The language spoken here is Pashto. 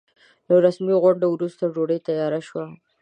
له رسمي غونډې وروسته ډوډۍ تياره شوه.